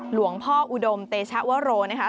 หลวงพ่ออุดมเตชะวโรนะคะ